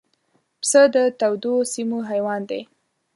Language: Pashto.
پسه د تودو سیمو حیوان دی.